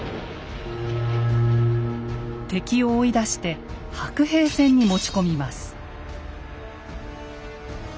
敵を追い出して白兵戦に持ち込みます。